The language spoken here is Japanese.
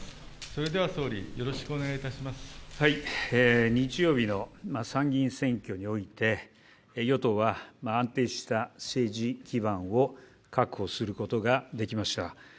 それでは総理、よろしくお願いい日曜日の参議院選挙において、与党は安定した政治基盤を確保することができました。